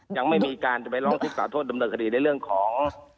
ยังไม่มีการจะไปร้องศึกษาโทษดำเนินคดีในเรื่องของ